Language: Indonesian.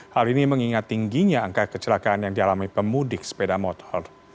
hal ini mengingat tingginya angka kecelakaan yang dialami pemudik sepeda motor